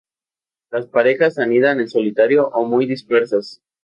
Las parejas anidan en solitario o muy dispersas.